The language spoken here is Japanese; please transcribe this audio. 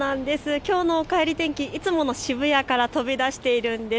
きょうのおかえり天気、いつもの渋谷から飛び出しているんです。